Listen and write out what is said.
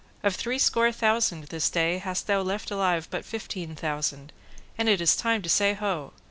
of three score thousand this day hast thou left alive but fifteen thousand, and it is time to say Ho!